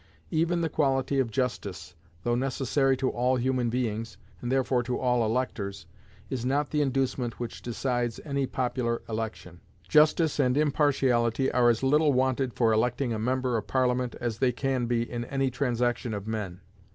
Even the quality of justice, though necessary to all human beings, and therefore to all electors, is not the inducement which decides any popular election. Justice and impartiality are as little wanted for electing a member of Parliament as they can be in any transaction of men.